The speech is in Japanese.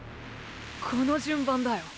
この順番だよ。